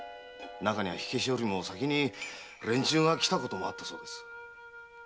中にゃ火消しよりも先に連中が来たこともあったそうです。